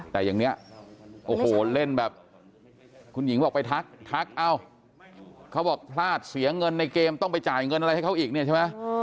แต่อย่างนี้โอ้โหเล่นแบบคุณหญิงบอกไปทักทักเอ้าเขาบอกพลาดเสียเงินในเกมต้องไปจ่ายเงินอะไรให้เขาอีกเนี่ยใช่ไหม